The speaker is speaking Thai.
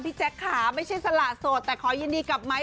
พี่แจ๊คขาไม่ใช่สละโสดแต่ขอยินดีกับไมค์